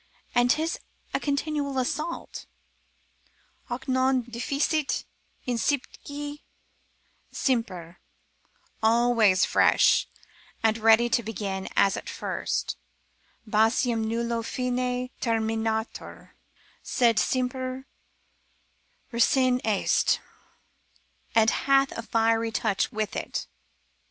And 'tis a continual assault,—hoc non deficit incipitque semper, always fresh, and ready to begin as at first, basium nullo fine terminatur, sed semper recens est, and hath a fiery touch with it.